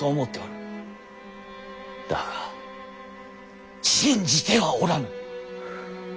だが信じてはおらぬ。